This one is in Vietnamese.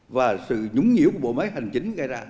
và sự nhúng nhiễu của bộ máy hành chính gây ra